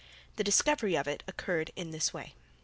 The discovery of it occurred in this way.